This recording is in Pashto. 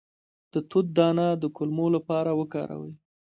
د توت دانه د کولمو لپاره وکاروئ